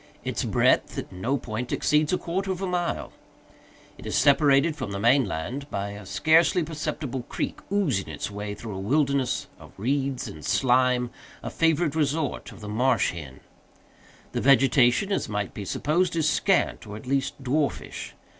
Its breadth at no point exceeds a quarter of a mile. It is separated from the main land by a scarcely perceptible creek, oozing its way through a wilderness of reeds and slime, a favorite resort of the marsh hen. The vegetation, as might be supposed, is scant, or at least dwarfish.